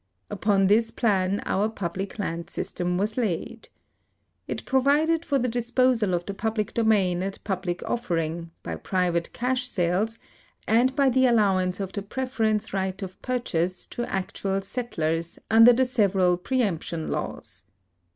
Upon this plan our public land system was laid. It provided for the disposal of the public domain at public offer ing, by private cash sales, and by the allowance of the preference right of purchase to actual settlers under the several preemption laws.